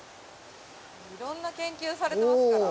色んな研究されてますから。